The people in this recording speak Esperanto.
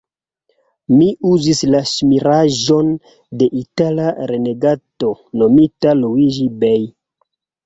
Mi uzis la ŝmiraĵon de Itala renegato, nomita Luiĝi-Bej'.